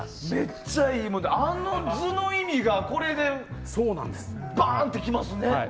あの図の意味がこれでバーンってきますね。